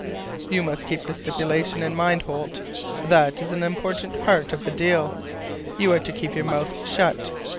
"You must keep the stipulation in mind, Holt. That is an important part of the deal. You are to keep your mouth shut.